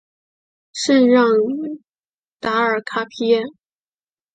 圣让达尔卡皮耶。